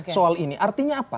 soal ini artinya apa